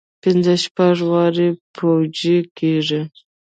پنځه شپږ وارې پوجي کېږي.